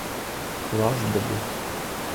Классдыме...